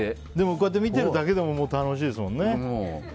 こうやってみてるだけでも楽しいですもんね。